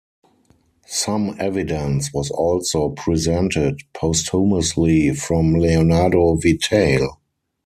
Some evidence was also presented posthumously from Leonardo Vitale.